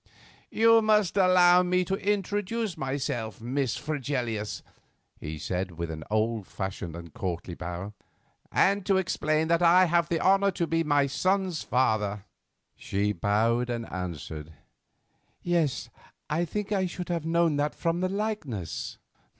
"You must allow me to introduce myself, Miss Fregelius," he said with an old fashioned and courtly bow, "and to explain that I have the honour to be my son's father." She bowed and answered: "Yes, I think I should have known that from the likeness."